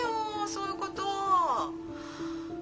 そういうこと。